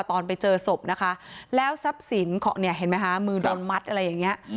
ตอนไปเจอศพนะคะแล้วทรัพย์สินของเนี่ยเห็นไหมคะมือโดนมัดอะไรอย่างนี้